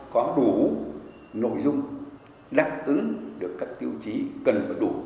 có đủ nội dung đáp ứng được các tiêu chí cần và đủ